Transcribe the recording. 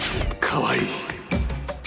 かわいい。